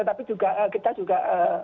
tapi juga kita juga